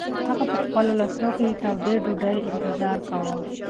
هغه په خپلو لاسو کې د تودې ډوډۍ انتظار کاوه.